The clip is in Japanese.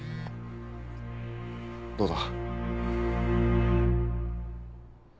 どうだ？